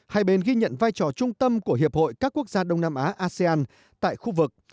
hai bên ghi nhận vai trò trung tâm của hiệp hội các quốc gia đông nam á asean tại khu vực